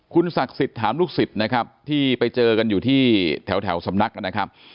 คุณศักดิ์สิทธิ์ถามลูกศิษย์นะครับที่ไปเจอกันอยู่ที่แถวสำนักนะครับ